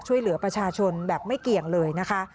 ช่วยเหลือประชาชนแบบไม่เกี่ยงเลยนะคะ